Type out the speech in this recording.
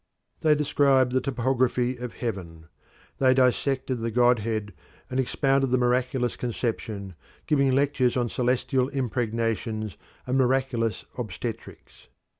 They described the topography of heaven. They dissected the godhead and expounded the miraculous conception, giving lectures on celestial impregnations and miraculous obstetrics.